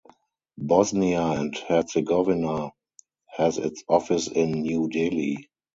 Bosnia and Herzegovina has its office in New Delhi.